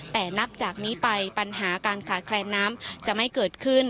แต่นับจากนี้ไปปัญหาการขาดแคลนน้ำจะไม่เกิดขึ้น